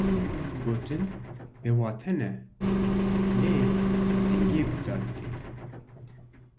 Gotin bêwate ne li bêdengiyê guhdar bike.